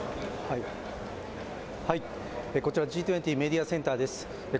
こちらＧ２０メディアセンターです